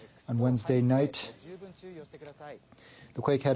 足もと、靴を履いて十分、注意をしてください。